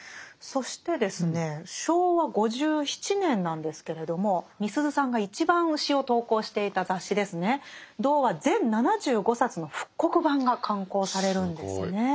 そしてですね昭和５７年なんですけれどもみすゞさんが一番詩を投稿していた雑誌ですね「童話」全７５冊の復刻版が刊行されるんですね。